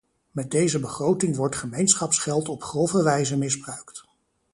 Met deze begroting wordt gemeenschapsgeld op grove wijze misbruikt.